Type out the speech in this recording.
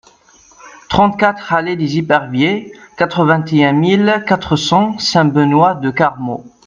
trente-quatre allée des Eperviers, quatre-vingt-un mille quatre cents Saint-Benoît-de-Carmaux